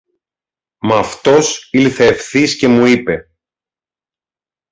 Μ' αυτός ήλθε ευθύς και μου είπε